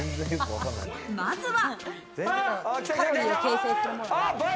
まずは。